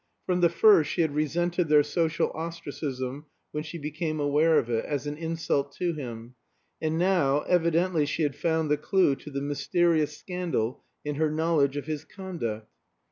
From the first she had resented their social ostracism (when she became aware of it) as an insult to him; and now, evidently she had found the clue to the mysterious scandal in her knowledge of his conduct.